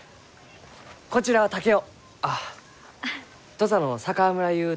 土佐の佐川村ゆう